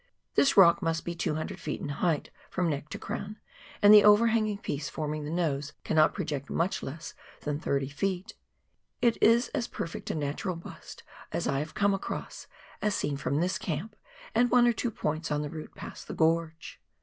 This rock must be 200 ft. in height from neck to crown, and the overhanging piece forming the nose cannot project much less than 30 ft. It is as perfect a natural bust as I have come across, as seen from this camp and one or two points on the route past the gorge.